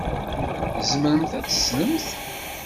Tzemremt ad teslemt?